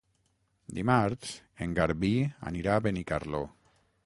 Dimarts en Garbí anirà a Benicarló.